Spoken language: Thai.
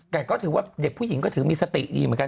แต่ก็ถือว่าเด็กผู้หญิงก็ถือมีสติดีเหมือนกัน